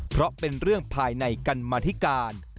เพราะเป็นเรื่องภายในกรรมธิการ